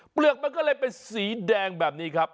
เปลือกมันก็เลยเป็นสีแดงแบบนี้ครับ